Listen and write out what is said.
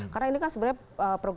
karena ini kan sebenarnya programnya